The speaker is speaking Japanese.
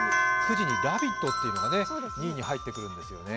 ９時に「ラヴィット！」というのが２位に入ってくるんですよね。